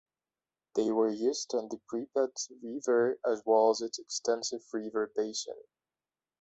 They were used on the Pripyat River, as well as its extensive river basin.